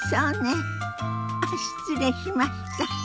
あっ失礼しました。